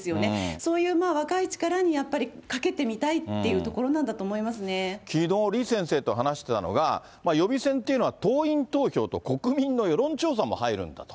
そういう若い力にやっぱりかけてみたいっていうところなんだと思きのう、李先生と話してたのが、予備選というのは党員投票と国民の世論調査も入るんだと。